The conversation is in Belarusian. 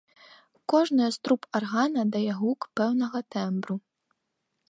Кожная з труб аргана дае гук пэўнага тэмбру.